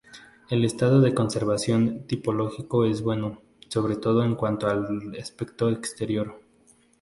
El estado de conservación tipológico es bueno, sobre todo en cuanto al aspecto exterior.